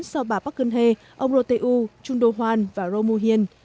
do bà park geun hye ông roh tae woo chung do hwan và roh moo hyun